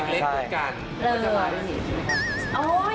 เล็กกรุ่นกันมันจะมาด้วยนี่ใช่ไหมครับ